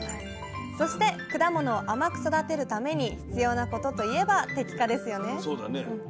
そして果物を甘く育てるために必要なことといえば摘果ですよね